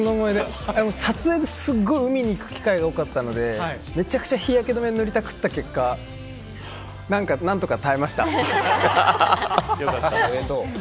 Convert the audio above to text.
撮影で海に行く機会が多かったのでめちゃくちゃ日焼け止めを塗りたくった結果良かった。